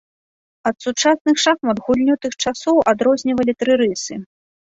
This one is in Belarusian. Ад сучасных шахмат гульню тых часоў адрознівалі тры рысы.